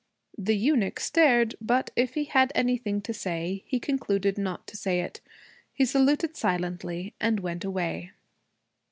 The eunuch stared. But if he had anything to say, he concluded not to say it. He saluted silently and went away.